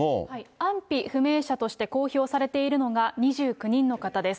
安否不明者として公表されているのが２９人の方です。